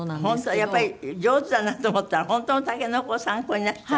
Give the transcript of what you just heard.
やっぱり上手だなと思ったら本当のタケノコを参考になすったのね。